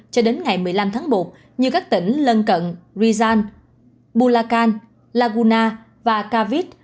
cho đến ngày một mươi năm tháng một như các tỉnh lân cận rizal bulacan laguna và kavit